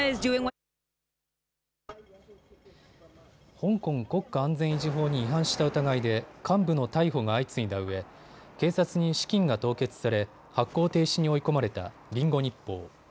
香港国家安全維持法に違反した疑いで幹部の逮捕が相次いだうえ、警察に資金が凍結され発行停止に追い込まれたリンゴ日報。